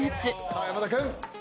さあ山田君。